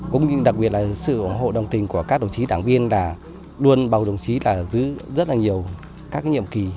cũng như đặc biệt là sự ủng hộ đồng tình của các đồng chí đảng viên là luôn bầu đồng chí là giữ rất là nhiều các nhiệm kỳ